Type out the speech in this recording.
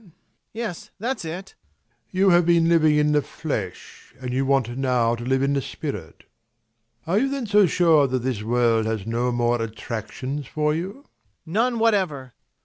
Yes, that's it. ABBÉ. You have been living in the flesh and you want now to live in the spirit. Are you then so sure that this world has no more attractions for you? MAURICE. None whatever!